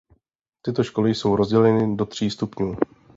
Tyto školy jsou rozděleny do tří stupňů.